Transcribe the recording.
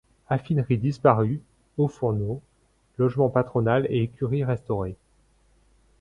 Affinerie disparue, haut-fourneau, logement patronal et écuries restaurés.